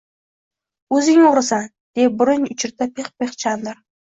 – O‘zing o‘g‘risan! – deb burun uchirdi Pixpix Chandr